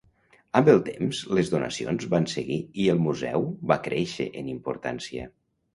Amb el temps les donacions van seguir i el museu va créixer en importància.